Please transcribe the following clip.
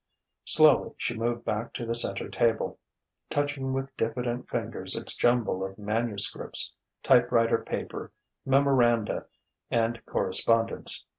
Slowly she moved back to the centre table, touching with diffident fingers its jumble of manuscripts, typewriter paper, memoranda, and correspondence.